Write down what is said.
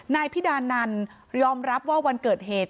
นายพิดานันยอมรับว่าวันเกิดเหตุ